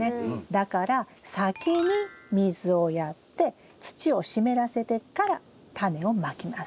だから先に水をやって土を湿らせてからタネをまきます。